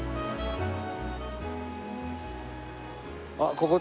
あっここ